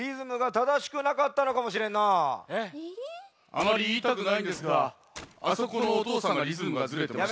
あまりいいたくないんですがあそこのおとうさんがリズムがずれてました。